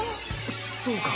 そうか？